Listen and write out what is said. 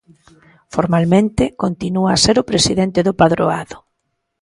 Formalmente, continúa a ser o presidente do padroado.